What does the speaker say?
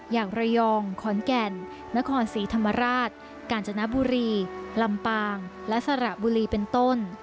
อย่างระยองขอนแก่นนครศรีธรรมราชกาญจนบุรีลำปางและสระบุรีเป็นต้น